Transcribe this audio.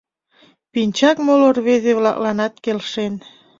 Пинчак моло рвезе-влакланат келшен.